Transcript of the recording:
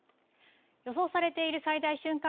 予想されている最大瞬間